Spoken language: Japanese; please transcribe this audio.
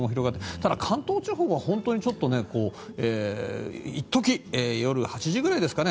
ただ、関東地方は本当にちょっと一時、夜８時くらいですかね